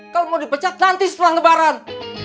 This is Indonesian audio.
kalau mau di pecat nanti setelah lebaran